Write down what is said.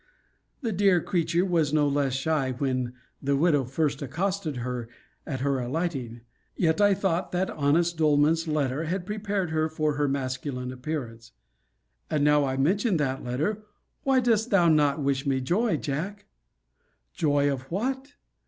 The dear creature was no less shy when the widow first accosted her at her alighting. Yet I thought that honest Doleman's letter had prepared her for her masculine appearance. And now I mention that letter, why dost thou not wish me joy, Jack? Joy, of what?